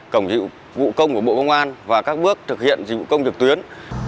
cổng dịch vụ công của bộ công an và các bước thực hiện dịch vụ công trực tuyến